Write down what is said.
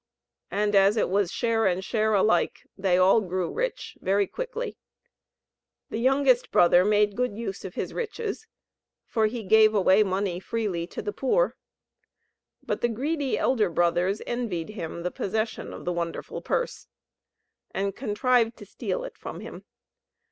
And as it was share and share alike, they all grew rich very quickly. The youngest brother made good use of his riches, for he gave away money freely to the poor. But the greedy elder brothers envied him the possession of the wonderful purse, and contrived to steal it from him.